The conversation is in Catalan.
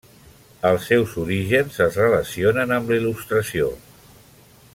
Els seus orígens es relacionen amb la Il·lustració.